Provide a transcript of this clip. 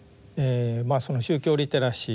その宗教リテラシー